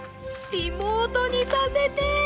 リモートにさせて！